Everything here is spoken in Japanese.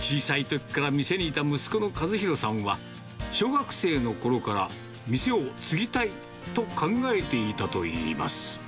小さいときから店にいた息子の和宏さんは、小学生のころから店を継ぎたいと考えていたといいます。